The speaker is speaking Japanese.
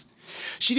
資料